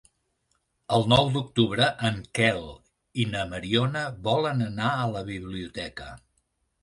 El nou d'octubre en Quel i na Mariona volen anar a la biblioteca.